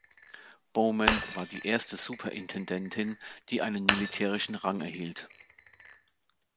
Bowman war die erste Superintendentin, die einen militärischen Rang erhielt.